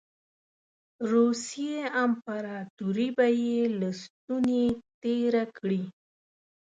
روسیې امپراطوري به یې له ستوني تېره کړي.